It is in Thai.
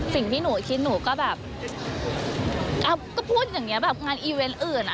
สิ่งที่หนูคิดหนูก็แบบก็พูดอย่างเงี้แบบงานอีเวนต์อื่นอ่ะ